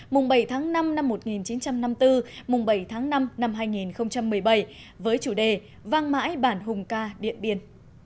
mùng bảy tháng năm năm một nghìn chín trăm năm mươi bốn mùng bảy tháng năm năm hai nghìn một mươi bảy với chủ đề vang mãi bản hùng ca điện biên